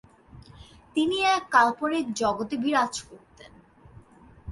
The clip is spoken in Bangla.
তিনি একটি কাল্পনিক জগতে বিরাজ করতেন।